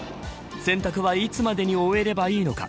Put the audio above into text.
洗濯はいつまでに終えればいいのか。